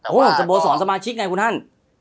โหสโบสถ์สอนสมาชิกไงคุณฮั่น